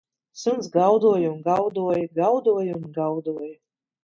Suns gaudoja un gaudoja, gaudoja un gaudoja